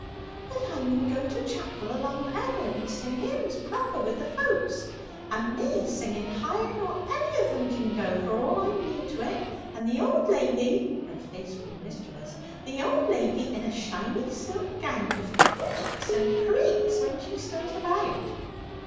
'But I mun go to chapel along of Ed'ard, and sing 'ymns proper wi' the folks and me singing higher nor any of them can go, for all I'm new to it and the old lady' her face grew mischievous 'the old lady in a shiny silk gownd as creaks and creaks when she stirs about!'